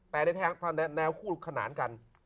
แต่ในแนวคู่ขนานกัน